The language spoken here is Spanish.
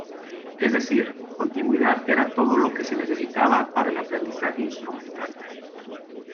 Es decir, contigüidad era todo lo que se necesitaba para el aprendizaje instrumental.